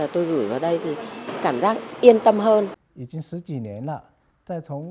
thế nên là tôi gửi vào đây thì cảm giác yên tâm hơn